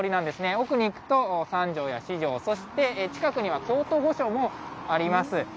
奥に行くと、三条や四条、そして近くには京都御所もあります。